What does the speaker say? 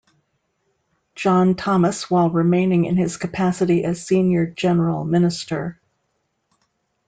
John Thomas, while remaining in his capacity as Senior General Minister.